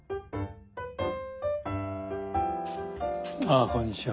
あこんにちは。